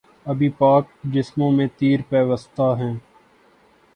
ابھی پاک جسموں میں تیر پیوستہ ہیں